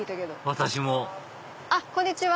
私もこんにちは。